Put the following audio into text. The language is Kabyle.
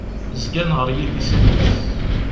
Zgan ɣer yidisan-is.